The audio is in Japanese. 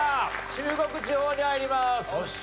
中国地方に入ります。